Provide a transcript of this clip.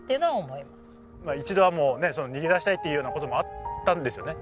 一度はもうね逃げ出したいっていうような事もあったんですよね